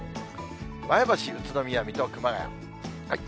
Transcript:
前橋、宇都宮、水戸、熊谷。